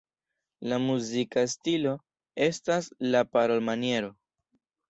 La muzika stilo estas la parolmaniero.